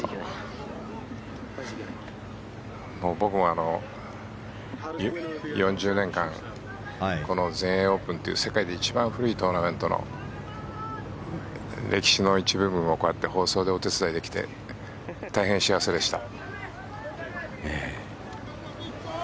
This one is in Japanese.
僕も４０年間この全英オープンという世界で一番古いトーナメントの歴史の一部分をこうやって放送でお手伝いできて大変幸せでした。